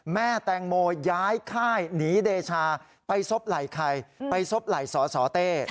แม่แตงโมย้ายค่ายหนีเดชาไปซบไหล่ใครไปซบไหล่สสเต้